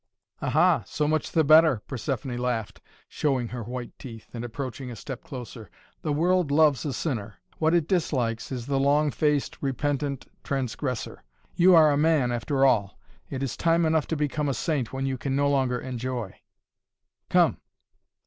"Ah! So much the better," Persephoné laughed, showing her white teeth and approaching a step closer. "The world loves a sinner. What it dislikes is the long faced repentant transgressor. You are a man after all it is time enough to become a saint when you can no longer enjoy. Come!"